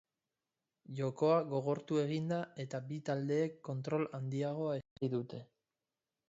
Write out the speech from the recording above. Jokoa gogortu egin da eta bi taldeek kontrol handiagoa ezarri dute.